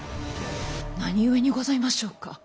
何故にございましょうか。